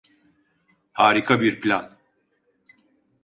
Harika bir plan.